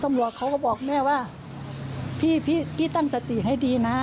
ตำรวจเขาก็บอกแม่ว่าพี่พี่ตั้งสติให้ดีนะ